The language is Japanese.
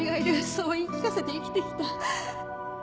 そう言い聞かせて生きてきた